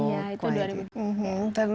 iya itu dua ribu tiga belas